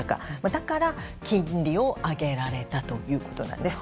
だから、金利を上げられたということなんです。